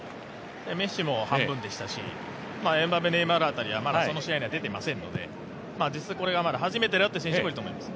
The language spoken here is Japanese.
メッシも半分でしたしエムバペ、ネイマールはその試合には出ていませんので実質これが初めてだという選手もいます。